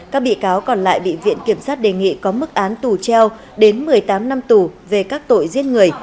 các bị cáo còn lại bị viện kiểm sát đề nghị có mức án tù treo đến một mươi tám năm tù về các tội giết người